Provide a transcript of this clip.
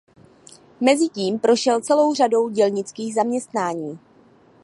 Mezitím prošel celou řadou dělnických zaměstnání.